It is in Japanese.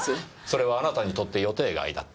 それはあなたにとって予定外だった。